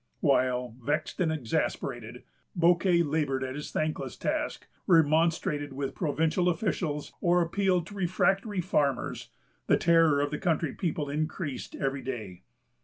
While, vexed and exasperated, Bouquet labored at his thankless task, remonstrated with provincial officials, or appealed to refractory farmers, the terror of the country people increased every day.